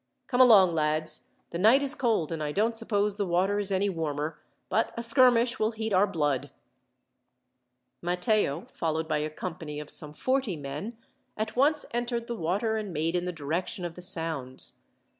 "Come along, lads. The night is cold, and I don't suppose the water is any warmer, but a skirmish will heat our blood." Matteo, followed by a company of some forty men, at once entered the water, and made in the direction of the sounds.